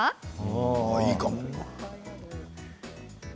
ああ、いいかも。